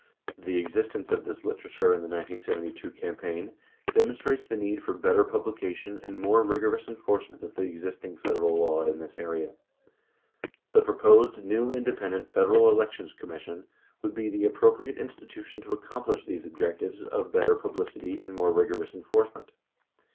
The existence of this literature in the 1972 cam paign demonstrates the need for better publication and more rigorous enforcement of the existing Federal law in this area. The proposed new independent Federal Elections Commission would be the appro priate institution to accomplish these objectives of better publicity and more rigorous enforcement.